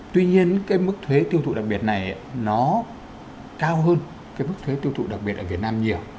tuy nhiên cái mức thuế tiêu thụ đặc biệt này nó cao hơn cái mức thuế tiêu thụ đặc biệt ở việt nam nhiều